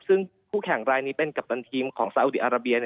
ซึ่งคู่แข่งรายนี้เป็นกัปตันทีมของซาอุดีอาราเบีย